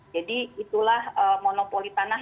jadi itulah monopoli tanah